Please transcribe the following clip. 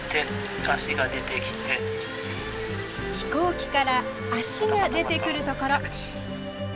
飛行機から足が出てくるところ。